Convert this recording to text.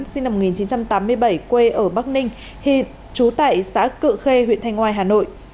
sinh năm một nghìn chín trăm tám mươi bảy quê ở bắc ninh hiện trú tại xã cự khê huyện thanh ngoài hà nội